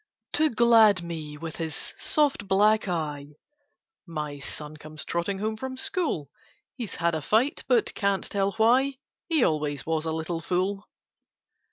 To glad me with his soft black eye My son comes trotting home from school; He's had a fight but can't tell why— He always was a little fool!